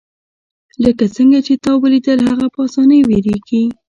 لکه څنګه چې تا ولیدل هغه په اسانۍ ویریږي